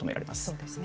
そうですね。